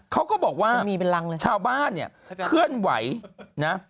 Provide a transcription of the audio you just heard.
เขาก็บอกว่าชาวบ้านเนี่ยเคลื่อนไหวนะ